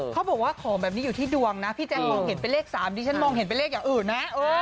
เขาบอกว่าของแบบนี้อยู่ที่ดวงนะพี่แจ๊คมองเห็นเป็นเลข๓ดิฉันมองเห็นเป็นเลขอย่างอื่นนะ